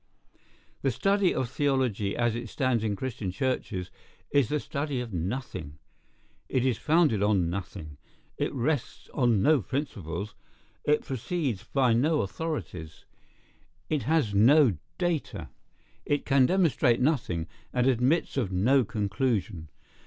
The study of theology as it stands in Christian churches, is the study of nothing; it is founded on nothing; it rests on no principles; it proceeds by no authorities; it has no data; it can demonstrate nothing; and admits of no conclusion.